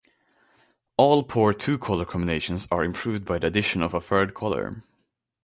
All poor two-color combinations are improved by the addition of a third color.